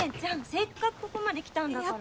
せっかくここまで来たんだから。